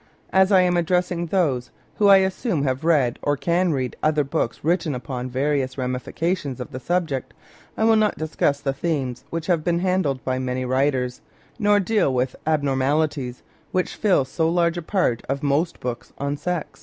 As I am addressing those who I assume have read, or can read, other books written upon various ramifications of the subject, I will not discuss the themes which have been handled by many writers, nor deal with abnorm alities, which fill so large a part of most books on sex.